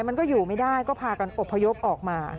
มันก็อยู่ไม่ได้ก็พากันอบพยพออกมา